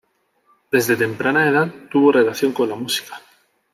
Desde temprana edad tuvo relación con la música.